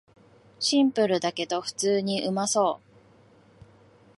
シンプルだけど普通にうまそう